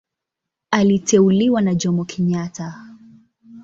Aliteuliwa na Jomo Kenyatta.